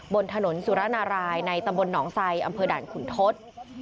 บนถนนสุรนารายในตำบลหนองไซอำเภอด่านขุนทศ